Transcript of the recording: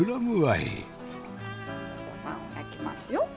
ちょっとパンを焼きますよ。